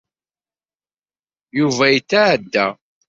Yuba yetɛedda.